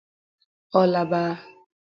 ọ laba